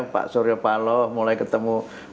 pak suryapaloh mulai ketemu